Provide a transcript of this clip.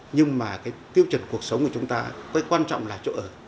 nhưng mà cái tiêu chuẩn cuộc sống của chúng ta cái quan trọng là chỗ ở